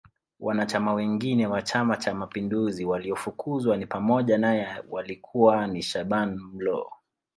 Wanachama wengine wa chama cha mapinduzi waliofukuzwa ni pamoja nae walikuwa ni Shaban Mloo